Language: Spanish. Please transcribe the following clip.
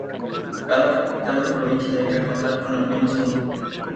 Cada capital de provincia debía contar con al menos uno.